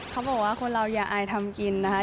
เขาบอกว่าคนเราอย่าอายทำกินนะคะ